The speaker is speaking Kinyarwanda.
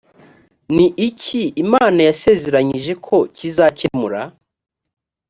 ni iki imana yasezeranyije ko kizakemura